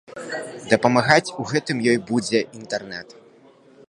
Дапамагаць у гэтым ёй будзе інтэрнэт.